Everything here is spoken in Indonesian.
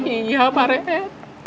iya pak red